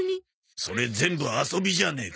それ全部遊びじゃねえか。